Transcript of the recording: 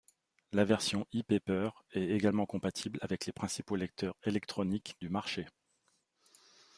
La version e-paper est également compatible avec les principaux lecteurs électroniques du marché.